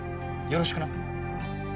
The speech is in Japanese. よろしく。